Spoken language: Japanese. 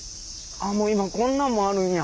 あっもう今こんなんもあるんや。